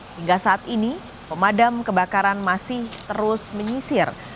hingga saat ini pemadam kebakaran masih terus menyisir